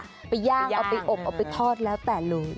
เอาไปย่างเอาไปอบเอาไปทอดแล้วแต่ลุง